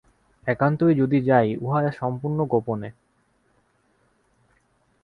একান্তই যদি যাই, উহা সম্পূর্ণ গোপনে।